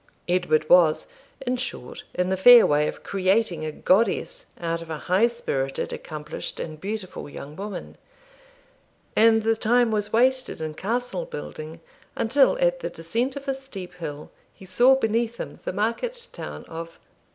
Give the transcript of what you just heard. Edward was, in short, in the fair way of creating a goddess out of a high spirited, accomplished, and beautiful young woman; and the time was wasted in castle building until, at the descent of a steep hill, he saw beneath him the market town of